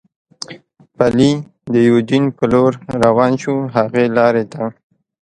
پلي د یوډین په لور روان شو، هغې لارې ته.